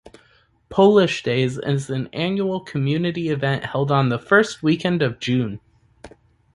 "Polish Days" is an annual community event held on the first weekend of June.